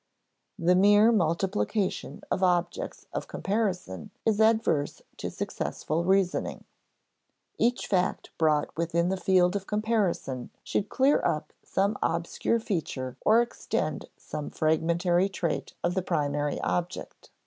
The mere multiplication of objects of comparison is adverse to successful reasoning. Each fact brought within the field of comparison should clear up some obscure feature or extend some fragmentary trait of the primary object.